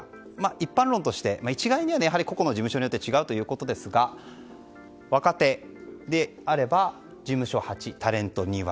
一般論として、一概にはやはり、個々の事務所として違うんだということですが若手であれば事務所８、タレント２割。